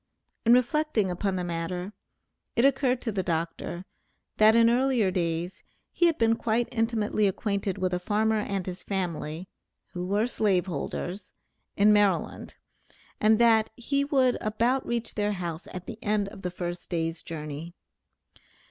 In reflecting upon the matter, it occurred to the doctor, that in earlier days, he had been quite intimately acquainted with a farmer and his family (who were slave holders), in Maryland, and that he would about reach their house at the end of the first day's journey.